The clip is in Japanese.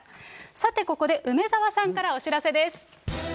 さてここで、梅沢さんからお知らせです。